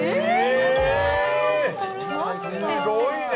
すごいね。